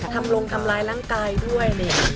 ทำลงทำร้ายร่างกายด้วย